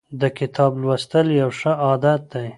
د کتاب لوستل یو ښه عادت دی.